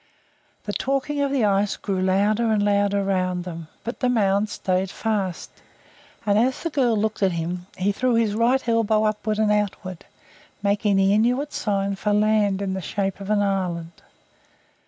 The talking of the ice grew louder and louder round them, but the mound stayed fast, and, as the girl looked at him, he threw his right elbow upward and outward, making the Inuit sign for land in the shape of an island.